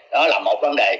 đó là một vấn đề